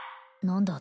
何だ